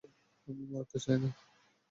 আমি মরতে চাই না!